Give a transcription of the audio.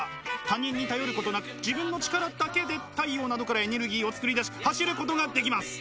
他人に頼ることなく自分の力だけで太陽などからエネルギーを作り出し走ることができます。